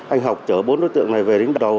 anh học chở bốn đối tượng này về đến đầu